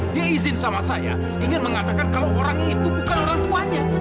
dia izin sama saya ingin mengatakan kalau orang itu bukan orang tuanya